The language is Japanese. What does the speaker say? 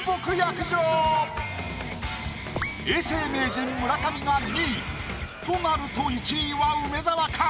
永世名人村上が２位。となると１位は梅沢か？